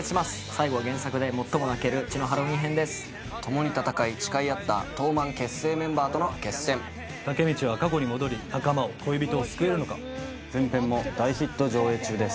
最後は原作で最も泣ける血のハロウィン編です共に戦い誓い合ったトーマン結成メンバーとの決戦武道は過去に戻り仲間を恋人を救えるのか前編も大ヒット上映中です